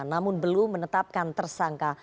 namun belum menetapkan tersangka